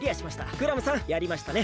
クラムさんやりましたね。